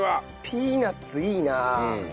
ピーナッツいいな。